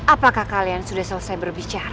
apakah kalian sudah selesai berbicara